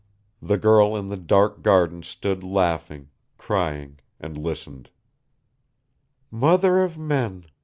The girl in the dark garden stood laughing, crying, and listened. "Mother of men!"